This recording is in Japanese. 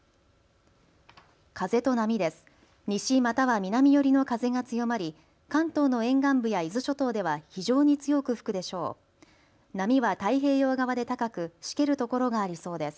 風と波です。